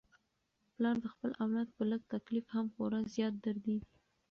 پلار د خپل اولاد په لږ تکلیف هم خورا زیات دردیږي.